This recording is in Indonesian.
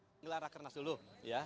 menggelar rakernas dulu ya